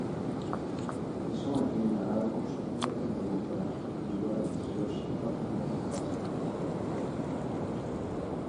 এসময় তিনি নানারকম স্বপ্ন দেখেন এবং তার বিবরণ স্বীয় শিক্ষক ইমামের কাছে উপস্থাপন করেন।